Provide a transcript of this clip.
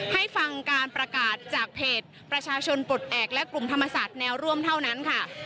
ให้ฟังการประกาศจากเพจประชาชนปลดแอบและกลุ่มธรรมศาสตร์แนวร่วมเท่านั้นค่ะ